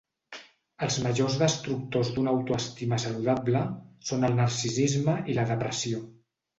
Els majors destructors d'una autoestima saludable són el narcisisme i la depressió.